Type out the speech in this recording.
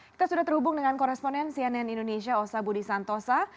kita sudah terhubung dengan koresponen cnn indonesia osa budi santosa